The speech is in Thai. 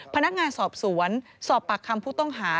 พนักงานสอบสวนสอบปากคำผู้ต้องหา